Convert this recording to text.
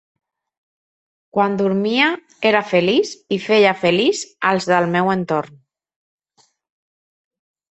Quan dormia, era feliç i feia feliç als del meu entorn.